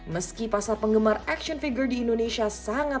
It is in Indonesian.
meski pasar penggemar action figure di indonesia tidak terlalu banyak